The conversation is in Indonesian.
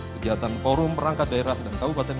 kegiatan forum perangkat daerah dan kabupaten